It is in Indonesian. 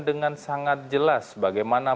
dengan sangat jelas bagaimana